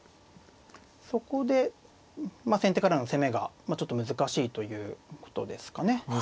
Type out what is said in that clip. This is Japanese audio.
そこでまあ先手からの攻めがちょっと難しいということですかね。